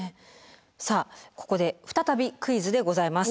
さあここで再びクイズでございます。